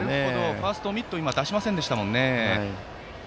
ファーストはミットを今出しませんでしたもんね。